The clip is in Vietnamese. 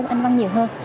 anh văn nhiều hơn